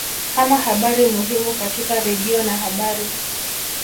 kama habari muhimu katika radio na habari